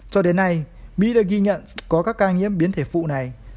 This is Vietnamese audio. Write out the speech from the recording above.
cho đến nay mỹ đã ghi nhận có các ca nhiễm biến thể phụ này